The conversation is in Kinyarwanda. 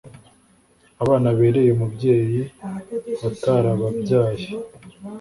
abana abereye umubyeyi atarababyaye